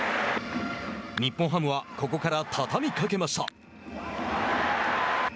日本ハムはここから畳みかけました。